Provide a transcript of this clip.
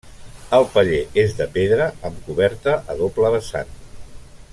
El paller és de pedra amb coberta a doble vessant.